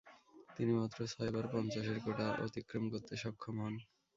তিনি মাত্র ছয়বার পঞ্চাশের কোটা অতিক্রম করতে সক্ষম হন।